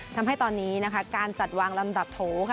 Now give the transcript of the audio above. ทำให้ตอนนี้นะคะการจัดวางลำดับโถค่ะ